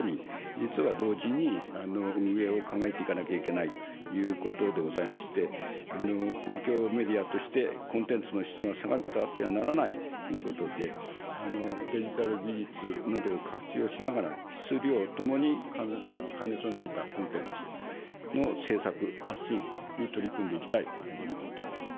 実は同時に運営を考えていかなきゃいけないということでございまして、公共メディアとして、コンテンツの質が下がることがあってはならないということで、デジタル技術などを活用しながら、質量ともに兼ね備えたコンテンツの制作、発信に取り組んでいきたいというふうに思っております。